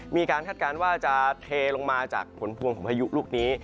คาดการณ์ว่าจะเทลงมาจากผลพวงของพายุลูกนี้